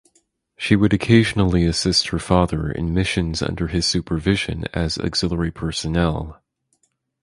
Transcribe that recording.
She would occasionally assist her father in missions under his supervision as auxiliary personnel.